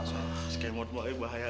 skemot mah ini bahaya